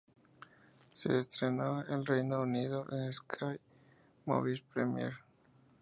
Se estrenó en el Reino Unido en Sky Movies Premiere.